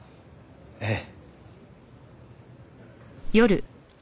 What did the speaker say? ええ。